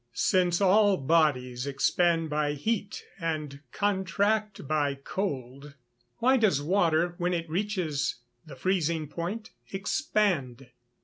_Since all bodies expand by heat and contract by cold, why does water, when it reaches the freezing point, expand?